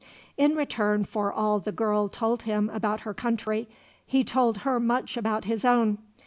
In return for all the girl told him about her country, he told her much about his own.